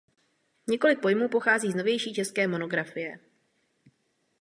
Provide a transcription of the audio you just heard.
Několik pojmů pochází z novější české monografie.